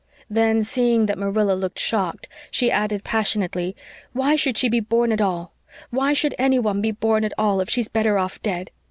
Then, seeing that Marilla looked shocked, she added passionately, "Why should she be born at all why should any one be born at all if she's better off dead?